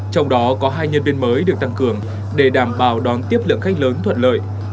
trong đó có hai nhân viên mới được tăng cường để đảm bảo đón tiếp lượng khách lớn thuận lợi